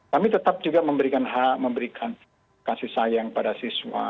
kami tetap juga memberikan hak memberikan kasih sayang pada siswa